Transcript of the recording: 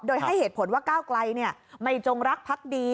โดยให้เหตุผลว่าก้าวไกลไม่จงรักพักดี